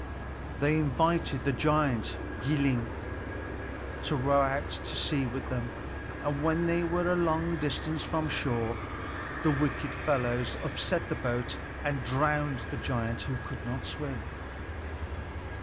They invited the giant Gilling to row out to sea with them, and when they were a long distance from shore, the wicked fellows upset the boat and drowned the giant, who could not swim.